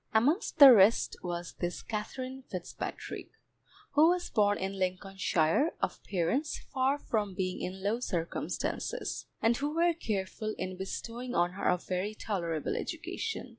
Amongst the rest was this Katherine Fitzpatrick, who was born in Lincolnshire, of parents far from being in low circumstances, and who were careful in bestowing on her a very tolerable education.